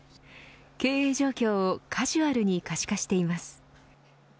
経営状況をカジュアルに可視化しています。